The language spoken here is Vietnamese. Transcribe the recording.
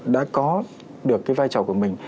đã có được cái vai trò của mình